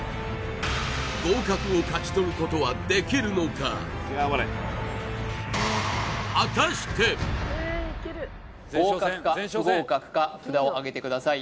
合格を勝ち取ることはできるのか合格か不合格か札をあげてください